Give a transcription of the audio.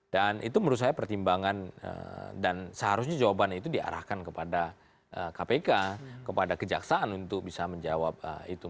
dan itu menurut saya pertimbangan dan seharusnya jawabannya itu diarahkan kepada kpk kepada kejaksaan untuk bisa menjawab itu